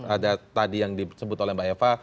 ada tadi yang disebut oleh mbak eva